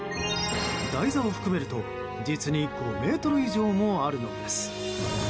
台座を含めると実に５ｍ以上もあるのです。